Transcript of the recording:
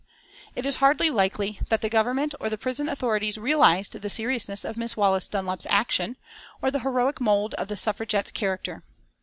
It is hardly likely that the Government or the prison authorities realised the seriousness of Miss Wallace Dunlop's action, or the heroic mould of the Suffragettes' character.